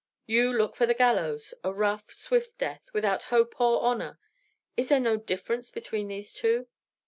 You look for the gallows; a rough, swift death, without hope or honor. Is there no difference between these two?"